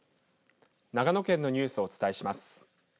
長野県のニュースをお伝えします。